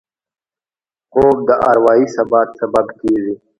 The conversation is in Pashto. خوب د اروايي ثبات سبب کېږي